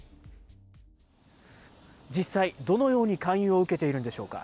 実際、どのように勧誘を受けているんでしょうか。